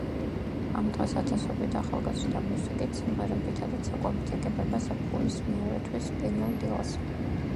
ამ დღეს ათასობით ახალგაზრდა მუსიკით, სიმღერებითა და ცეკვებით ეგებება ზაფხულის მეორე თვის პირველ დილას.